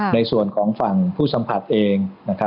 ในส่วนของฝั่งผู้สัมผัสเอง